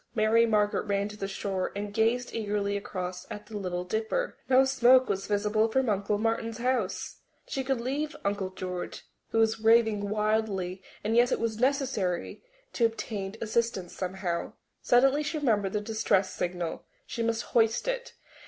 Mary Margaret ran to the shore and gazed eagerly across at the Little Dipper. No smoke was visible from Uncle Martin's house! She could not leave Uncle George, who was raving wildly, and yet it was necessary to obtain assistance somehow. Suddenly she remembered the distress signal. She must hoist it.